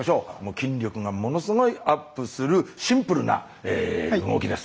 筋力がものすごいアップするシンプルな動きです。